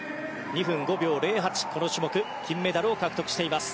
２分５秒０８この種目、金メダルを獲得しています。